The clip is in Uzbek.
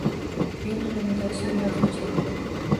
Men xonadoshim yozuvchi edi.